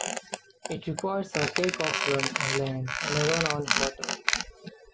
It requires a takeoff run on land and a run on water.